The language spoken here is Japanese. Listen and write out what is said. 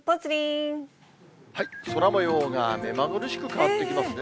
空もようが目まぐるしく変わってきますね。